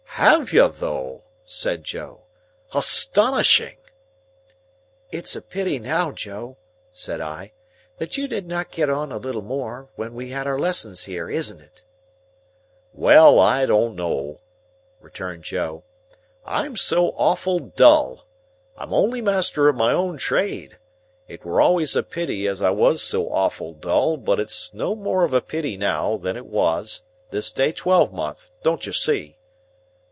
"Have you though?" said Joe. "Astonishing!" "It's a pity now, Joe," said I, "that you did not get on a little more, when we had our lessons here; isn't it?" "Well, I don't know," returned Joe. "I'm so awful dull. I'm only master of my own trade. It were always a pity as I was so awful dull; but it's no more of a pity now, than it was—this day twelvemonth—don't you see?"